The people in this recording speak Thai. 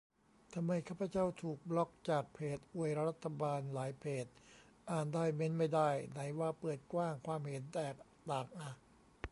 ทำไมข้าพเจ้าถูกบล็อคจากเพจอวยรัฐบาลหลายเพจ อ่านได้ เมนต์ไม่ได้ ไหนว่าเปิดกว้างความเห็นแตกต่างอะ